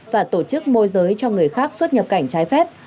và tổ chức môi giới cho người khác xuất nhập cảnh trái phép